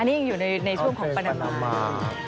อันนี้อยู่ในช่วงของปานามา